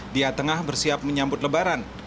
dia tengah bersiap menyambut lebaran